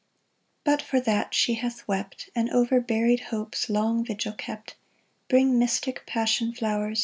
But, for that she hath wept, And over buried hopes long vigil kept, Bring mystic passion flowers.